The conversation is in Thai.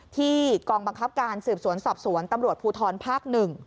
กองบังคับการสืบสวนสอบสวนตำรวจภูทรภาค๑